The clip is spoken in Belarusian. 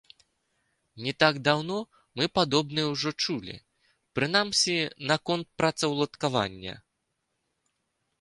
Не так даўно мы падобнае ўжо чулі, прынамсі, наконт працаўладкавання.